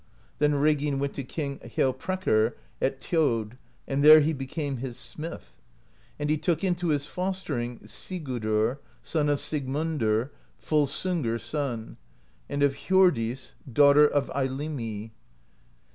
"Then Reginn went to King Hjalprekr at Thjod, and there he became his smith; and he took into his fostering Sigurdr, son of Sigmundr, Volsungr's son, and of Hjor dis, daughter of Eylimi.